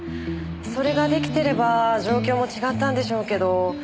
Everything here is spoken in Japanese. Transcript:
それが出来てれば状況も違ったんでしょうけど。